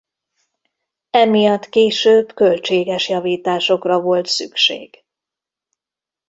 Emiatt később költséges javításokra volt szükség.